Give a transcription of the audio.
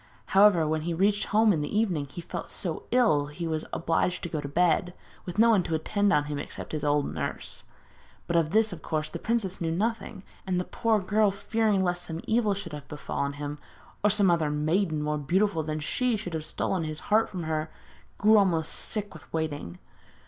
However, when he reached home in the evening, he felt so ill he was obliged to go to bed, with no one to attend on him except his old nurse. But of this, of course, the princess knew nothing; and the poor girl, fearing lest some evil should have befallen him, or some other maiden more beautiful than she should have stolen his heart from her, grew almost sick with waiting.